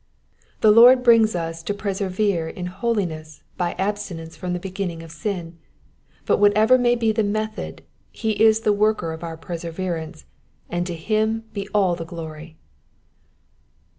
The Lord brings us to persevere in holiness by abstinence from the beginning of sin ; but whatever be the method he is the worker of our perseverance, and to him be all the glory.